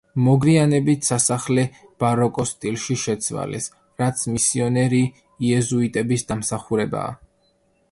მოგვიანებით სასახლე ბაროკოს სტილში შეცვალეს, რაც მისიონერი იეზუიტების დამსახურებაა.